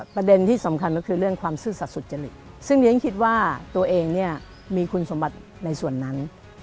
ประเด็นที่สำคัญก็คือเรื่องความซื่อสัตว์สุจริตซึ่งเรียนคิดว่าตัวเองเนี่ยมีคุณสมบัติในส่วนนั้น